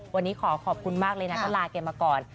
วันนี้ขอขอบคุณมากเลยนะก็ลาแกมาก่อน